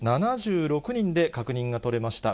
１０７６人で確認が取れました。